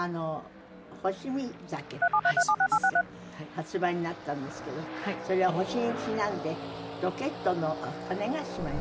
発売になったんですけどそれは星にちなんでロケットの種子島に？